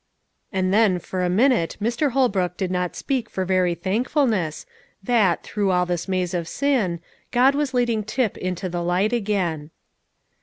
And then for a minute Mr. Holbrook did not speak for very thankfulness, that, through all this maze of sin, God was leading Tip into the light again.